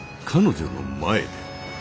彼女の前で。